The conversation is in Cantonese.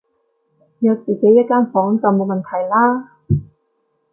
有自己一間房就冇問題啦